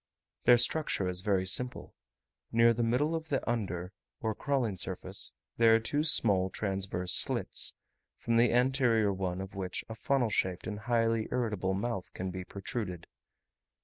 Their structure is very simple: near the middle of the under or crawling surface there are two small transverse slits, from the anterior one of which a funnel shaped and highly irritable mouth can be protruded.